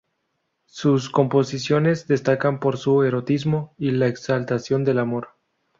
Sus composiciones destacan por su erotismo y la exaltación del amor.